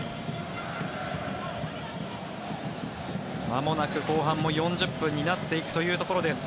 まもなく後半も４０分になっていくというところです。